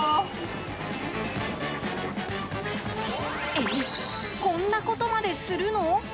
えっ、こんなことまでするの？